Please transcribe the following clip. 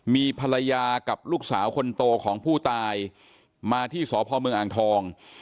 มีภรรยากับลูกสาวคนโตของผู้ตายมาที่สพเมืองอ่างทอง